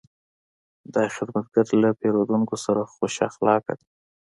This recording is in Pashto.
دا خدمتګر له پیرودونکو سره خوش اخلاقه دی.